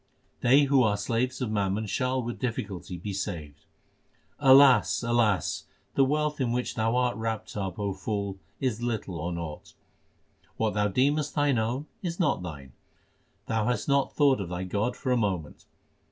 They who are slaves of mammon shall with difficulty be saved : Alas ! alas ! the wealth in which thou art wrapped up, O fool, is little or naught. What thou deemest thine own is not thine. Thou hast not thought of thy God for a moment.